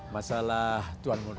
masalah tuan mudo sakti